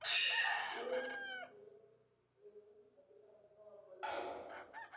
Yeye alikulia kijijini katika mkoa wa bonde la ufa.